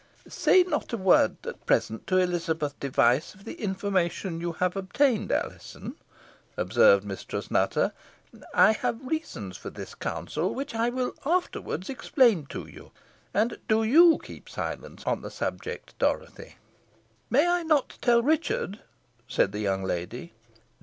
"Say not a word at present to Elizabeth Device of the information you have obtained, Alizon," observed Mistress Nutter. "I have reasons for this counsel, which I will afterwards explain to you. And do you keep silence on the subject, Dorothy." "May I not tell Richard?" said the young lady.